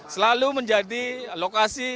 selalu menjadi lokasi